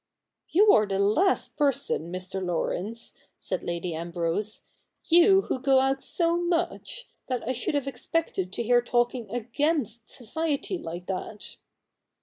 * You are the last person, Mr. Laurence,' said Lady Ambrose, ' you who go out so much, that I should have expected to hear talking against society like that.'